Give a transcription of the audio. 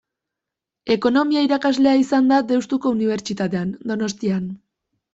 Ekonomia-irakaslea izan da Deustuko Unibertsitatean, Donostian.